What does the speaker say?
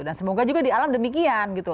dan semoga juga di alam demikian gitu